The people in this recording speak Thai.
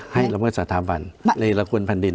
ให้ละเมิดศาสตราบันในละคุณพันธุ์ดินไหม